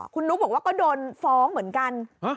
คุณนุ๊กบอกว่าก็โดนฟ้องเหมือนกัน